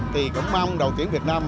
thì cũng mong đội tuyển việt nam